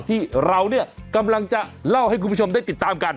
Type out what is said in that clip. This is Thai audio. ที่เราเนี่ยกำลังจะเล่าให้คุณผู้ชมได้ติดตามกัน